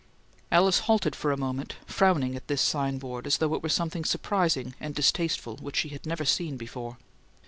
Alice halted for a moment, frowning at this signboard as though it were something surprising and distasteful which she had never seen before.